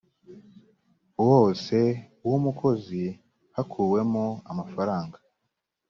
wose w umukozi hakuwemo amafaranga